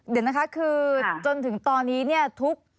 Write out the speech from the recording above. เดี๋ยวนะคะคือจนถึงตอนนี้เนี่ยทุก